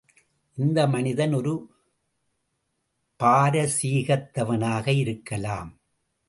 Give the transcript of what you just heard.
இந்த மனிதன் ஒரு பாரசீகத்தவனாக இருக்கலாம்.